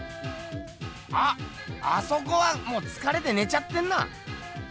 あっあそこはもうつかれてねちゃってんな。